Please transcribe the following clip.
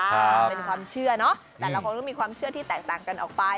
เป็นความเชื่อเนอะแต่ละคนก็มีความเชื่อที่แตกต่างกันออกไป